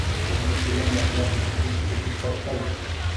زموږ ټولنه د اخلاقو د سقوط پر سر ده.